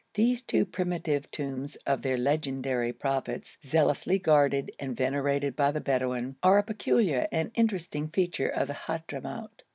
These two primitive tombs of their legendary prophets, zealously guarded and venerated by the Bedouin, are a peculiar and interesting feature of the Hadhramout.